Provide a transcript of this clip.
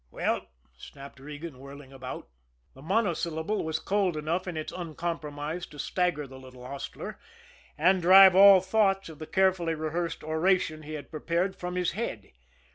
"Well?" snapped Regan, whirling about. The monosyllable was cold enough in its uncompromise to stagger the little hostler, and drive all thoughts of the carefully rehearsed oration he had prepared from his head.